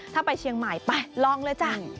ถ้าไปเชียงใหม่ไปลองเลยจ้ะ